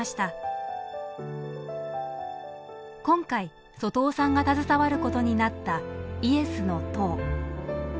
今回外尾さんが携わることになったイエスの塔。